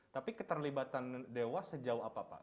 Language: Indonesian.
tapi keterlibatan dewas sejauh apa pak